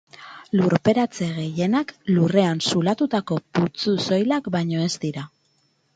Lurperatze gehienak, lurrean zulatutako putzu soilak baino ez dira.